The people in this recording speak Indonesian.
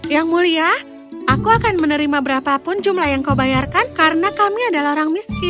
yang mulia aku akan menerima berapapun jumlah yang kau bayarkan karena kami adalah orang miskin